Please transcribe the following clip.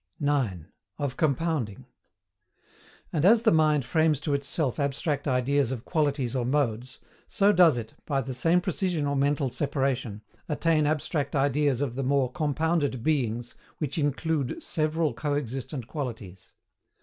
OF COMPOUNDING. And as the mind frames to itself abstract ideas of qualities or MODES, so does it, by the same precision or mental separation, attain abstract ideas of the more compounded BEINGS which include several coexistent qualities.